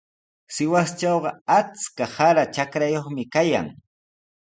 Sihuastrawqa achka sara trakrayuqmi kayan.